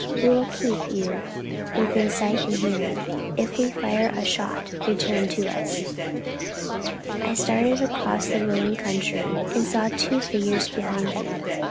We will keep you within sight and hearing. If we fire a shot, return to us." I started across the rolling country, and saw the two figures behind me.